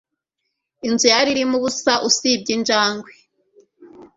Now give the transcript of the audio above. Inzu yari irimo ubusa usibye injangwe.